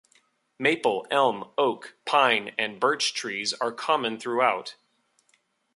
Maple, elm, oak, pine, and birch trees are common throughout.